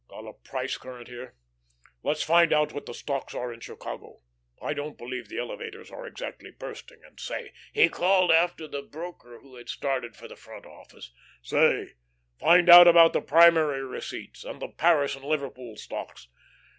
Got a 'Price Current' here? Let's find out what the stocks are in Chicago. I don't believe the elevators are exactly bursting, and, say," he called after the broker, who had started for the front office, "say, find out about the primary receipts, and the Paris and Liverpool stocks.